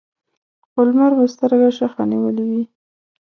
خو لمر به سترګه شخه نیولې وي.